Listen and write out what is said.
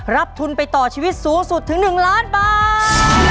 รับทุนไปต่อชีวิตสูงสุดถึง๑ล้านบาท